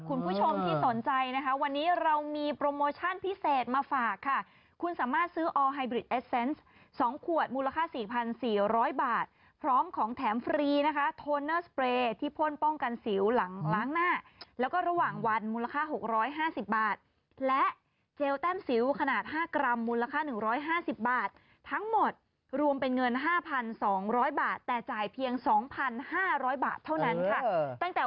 คุณเล่นมุกที่งานไงมีการพูดที่งานเล่นมุกหรือเข้าใจผิด